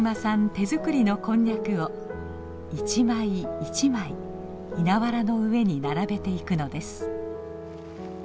手作りのこんにゃくを一枚一枚稲わらの上に並べていくのです。